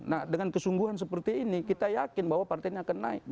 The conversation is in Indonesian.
nah dengan kesungguhan seperti ini kita yakin bahwa partai ini akan naik